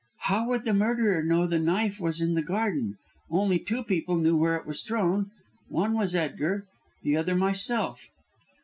"How would the murderer know that the knife was in the garden? Only two people knew where it was thrown. One was Edgar, the other myself."